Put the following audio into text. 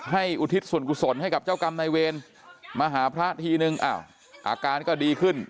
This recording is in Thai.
อุทิศส่วนกุศลให้กับเจ้ากรรมนายเวรมาหาพระทีนึงอ้าวอาการก็ดีขึ้น